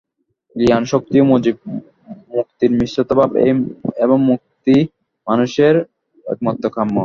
জ্ঞান শক্তি ও মুক্তির মিশ্রিত ভাব, এবং মুক্তিই মানুষের একমাত্র কাম্য।